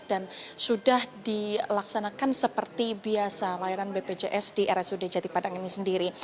dan sudah dilaksanakan seperti biasa layanan bpjs di rsud jatipadang ini sendiri